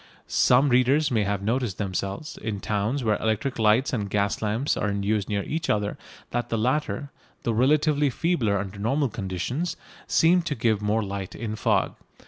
Some readers may have noticed themselves, in towns where electric lights and gas lamps are in use near each other, that the latter, though relatively feebler under normal conditions, seem to give more light in fog.